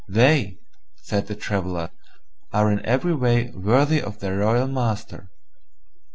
"They," said the Traveller, "are in every way worthy of their royal master."